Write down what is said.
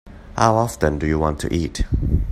How often do you want to eat?